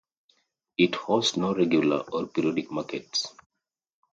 It hosts no regular or periodic markets.